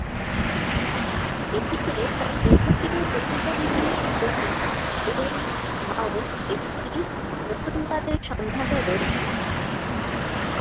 এদিকে, তার দীর্ঘদিনের প্রতিদ্বন্দ্বী জেরি এ মাউস একটি নতুন বাড়ির সন্ধানে রয়েছে।